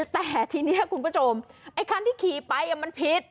แต่ทีนี้คุณผู้ชมไอ้คันที่ขี่ไปมันผิด